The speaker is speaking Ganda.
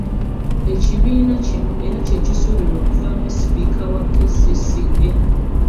Ekibiina kino era ky'ekisuubirwa okuvaamu sipiika wa KCCA